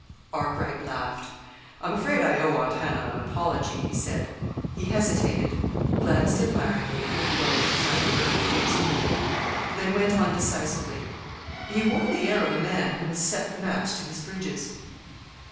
Arkwright laughed. "I'm afraid I owe Aunt Hannah an apology," he said. He hesitated, glanced admiringly at the glowing, half averted face near him, then went on decisively. He wore the air of a man who has set the match to his bridges.